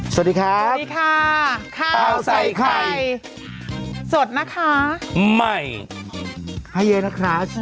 สวัสดีครับสวัสดีค่ะข้าวใส่ไข่สดนะคะใหม่ให้เยอะนะคะ